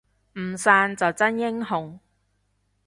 唔散就真英雄